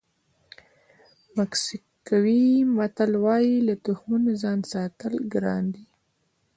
مکسیکوي متل وایي له تخمونو ځان ساتل ګران دي.